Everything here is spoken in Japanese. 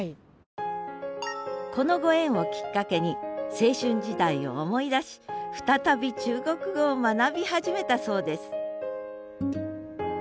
このご縁をきっかけに青春時代を思い出し再び中国語を学び始めたそうです